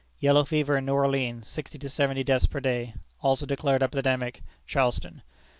Yellow fever in New Orleans, sixty to seventy deaths per day. Also declared epidemic, Charleston.